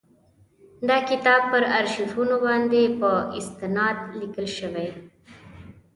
دا کتاب پر آرشیفونو باندي په استناد لیکل شوی.